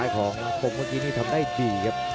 ของปมเมื่อกี้นี่ทำได้ดีครับ